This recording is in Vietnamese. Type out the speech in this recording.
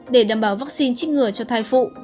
để đảm bảo vaccine trích ngừa cho thai phụ